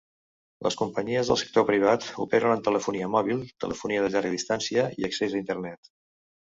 Les companyies del sector privat operen en telefonia mòbil, telefonia de llarga distància i accés a Internet.